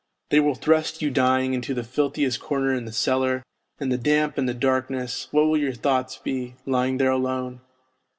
They will thrust you dying into the filthiest corner in the cellar in the damp and darkness; what will your thoughts be, lying there alone